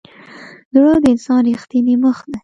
زړه د انسان ریښتینی مخ دی.